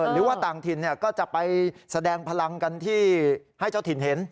หรือว่าต่างถิ่นก็จะไปแสดงพลังกันที่ให้เจ้าถิ่นเห็น